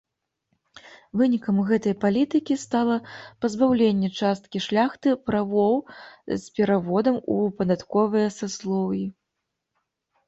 Вынікам гэтай палітыкі стала пазбаўленне часткі шляхты правоў з пераводам у падатковыя саслоўі.